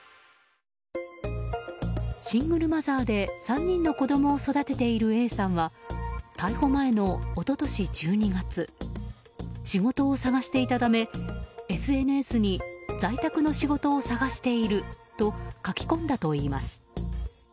シングルマザーで３人の子供を育てているＡさんは逮捕前の一昨年１２月仕事を探していたためＳＮＳに在宅の仕事を探していると書き込んだといいます。